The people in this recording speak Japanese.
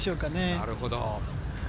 なるほど。